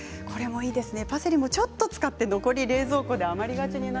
いいですね。